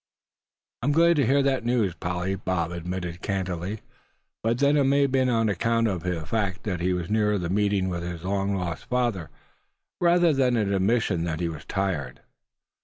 "I'm glad to hear that news, Polly," Bob admitted candidly; but then it may have been on account of the fact that he was nearer the meeting with his long lost father, rather than an admission that he was tired.